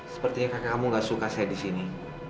sepertinya kakek kamu gak suka saya disini